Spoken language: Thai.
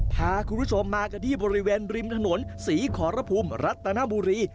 พาคุณผู้ชมมากันที่บริเวณริมถนนศรีขอระพุมรัตนบุรี